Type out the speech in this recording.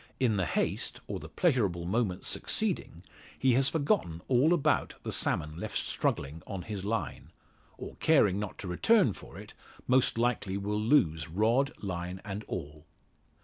In the haste, or the pleasurable moments succeeding, he has forgotten all about the salmon left struggling on his line, or caring not to return for it, most likely will lose rod, line, and all.